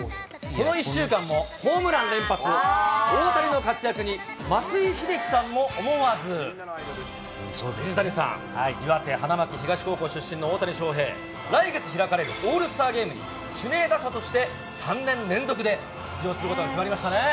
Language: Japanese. この１週間もホームラン連発、大谷の活躍に、水谷さん、岩手・花巻東高校出身の大谷翔平。来月開かれるオールスターゲームに、指名打者として３年連続で出場することが決まりましたね。